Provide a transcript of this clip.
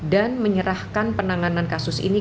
menyerahkan penanganan kasus ini